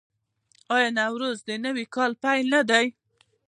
آیا نوروز د نوي کال پیل نه دی؟